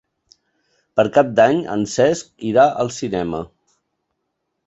Per Cap d'Any en Cesc irà al cinema.